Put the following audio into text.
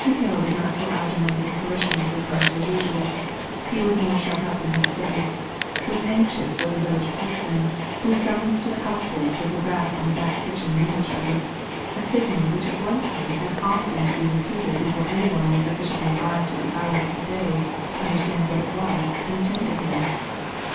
Hale did not go out among his parishioners as much as usual; he was more shut up in his study; was anxious for the village postman, whose summons to the household was a rap on the back kitchen window shutter a signal which at one time had often to be repeated before any one was sufficiently alive to the hour of the day to understand what it was, and attend to him.